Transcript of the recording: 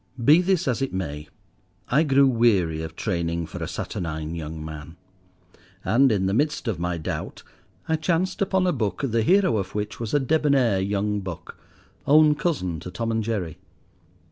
Be this as it may, I grew weary of training for a saturnine young man; and, in the midst of my doubt, I chanced upon a book the hero of which was a debonnaire young buck, own cousin to Tom and Jerry.